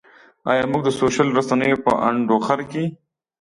ایا موږ د سوشل رسنیو په انډوخر کې.